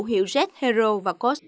hiệu jet hero và cos